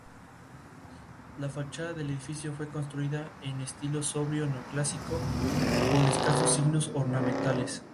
La fachada del edificio fue construida en estilo sobrio neoclásico, con escasos signos ornamentales.